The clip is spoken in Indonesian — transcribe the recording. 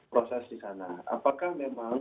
proses di sana apakah memang